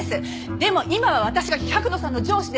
でも今は私が百野さんの上司です。